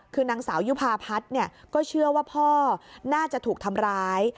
คือนางสาวยุภาพัฒน์ก็เชื่อว่าพ่อน่าจะถูกทำร้าย